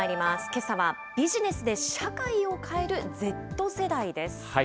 けさは、ビジネスで社会を変えるＺ世代です。